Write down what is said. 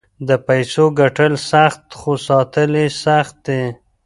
د پیسو ګټل سخت خو ساتل یې سخت دي.